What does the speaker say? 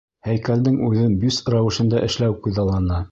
Һәйкәлдең үҙен бюст рәүешендә эшләү күҙаллана.